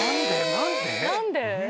何で？